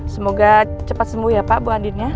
semoga cepat sembuh ya pak bu andina